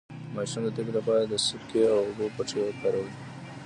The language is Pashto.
د ماشوم د تبې لپاره د سرکې او اوبو پټۍ وکاروئ